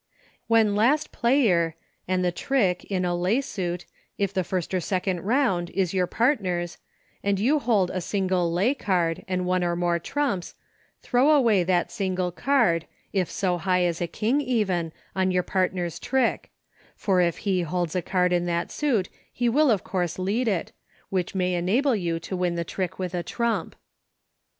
When last player and the trick, in a lay suit, if the first or second round, is your part ner's, and you hold a single lay card, and one or more trumps, throw away that single card, if so high as a King even, on your partner's trick, for if he holds a card in that suit he will of course lead it, which may enable you to win the trick with a trump.